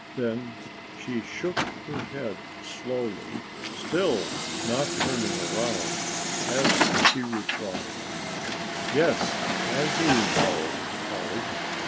Then she shook her head slowly, still not turning around, as she replied: "Yes, I do know, Polly.